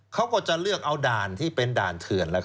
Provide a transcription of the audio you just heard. เขาก็จะเลือกเอาด่านที่เป็นด่านเถื่อน